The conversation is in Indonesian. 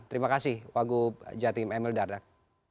terima kasih wakil gubernur jatim emil dardak